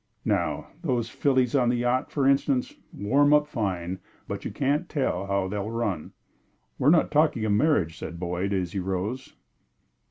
Now, those fillies on the yacht, for instance, warm up fine, but you can't tell how they'll run." "We're not talking of marriage," said Boyd, as he rose.